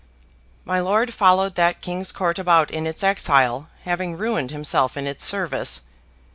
My lord followed that king's Court about in its exile, having ruined himself in its service.